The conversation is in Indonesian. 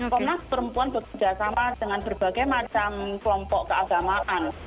komnas perempuan bekerjasama dengan berbagai macam kelompok keagamaan